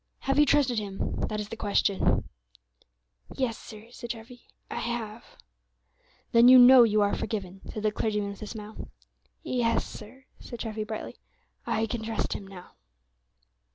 Have you trusted Him? That is the question." "Yes, sir," said Treffy, "I have." "Then you know you are forgiven," said the clergyman, with a smile. "Yes, sir," said Treffy, brightly, "I can trust Him now."